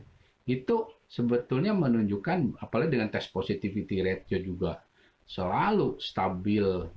kalau sebetulnya menunjukkan apalagi dengan tes positivity rate juga selalu stabil